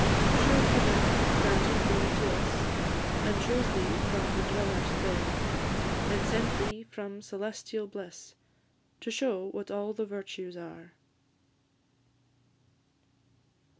Sure Heaven hath granted thee to us, And chose thee from the dwellers there; And sent thee from celestial bliss, To shew what all the virtues are.